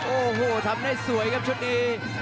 โอ้โหทำได้สวยครับชุดนี้